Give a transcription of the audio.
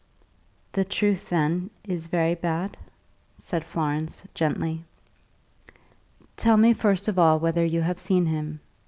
"The truth, then, is very bad?" said Florence, gently. "Tell me first of all whether you have seen him.